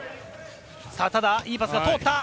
ただいいパスが通った。